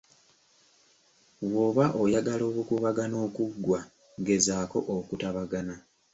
Bw'oba oyagala obukuubagano okuggwa gezaako okutabagana